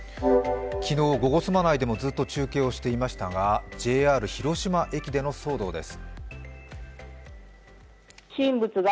昨日、「ゴゴスマ」内でもずっと中継をしていましたがＪＲ広島駅での騒動です。